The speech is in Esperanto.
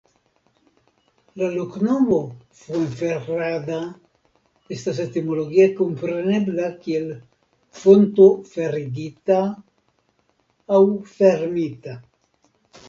La loknomo "Fuenferrada" estas etimologie komprenebla kiel "Fonto ferigita" aŭ "fermita".